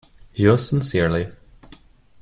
Yours sincerely.